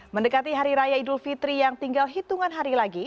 mendekati hari raya idul fitri yang tinggal hitungan hari lagi